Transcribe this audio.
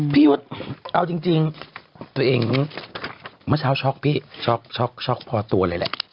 ยุทธ์เอาจริงตัวเองเมื่อเช้าช็อกพี่ช็อกช็อกช็อกพอตัวเลยแหละ